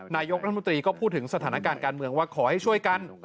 นายกรัฐมนตรีก็พูดถึงสถานการณ์การเมืองว่าขอให้ช่วยกัน